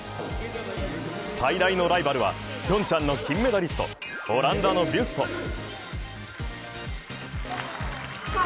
最大のライバルはピョンチャンの金メダリスト、オランダのビュスト。